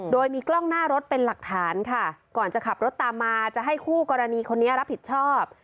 โดยมีกล้องหน้ารถเป็นหลักฐานค่ะก่อนจะขับรถตามมาจะให้คู่กรณีคนนี้รับผิดชอบ